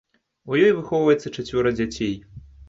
У ёй выхоўваецца чацвёра дзяцей.